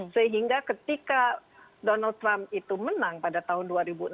sehingga ketika donald trump itu menang pada tahun dua ribu enam belas